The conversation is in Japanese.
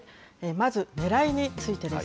まずねらいについてです。